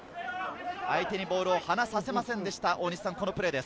相手にボールを離させませんでした。